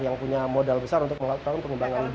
yang punya modal besar untuk melakukan pengembangan biaya kami